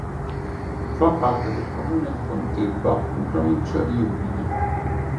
Fa parte del comune di Pontebba in provincia di Udine.